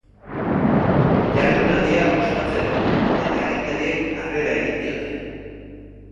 Jardunaldia ospatzeko, eta agintariek harrera egin diote.